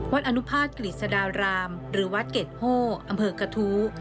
อนุภาคกฤษฎารามหรือวัดเกรดโพอำเภอกระทู้